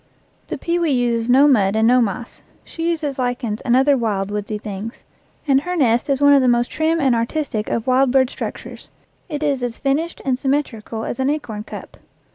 The pewee uses no mud and no moss. She uses lichens and other wild, woodsy things, and her nest is one of the most trim and artistic of wild bird structures; it is as finished and symmetrical as an acorn cup.